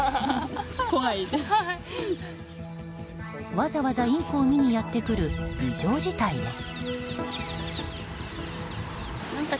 わざわざインコを見にやってくる異常事態です。